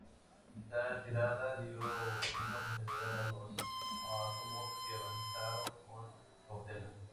Esta retirada dio una oportunidad a los otomanos, que avanzaron con cautela.